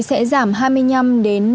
sẽ giảm hai mươi năm năm mươi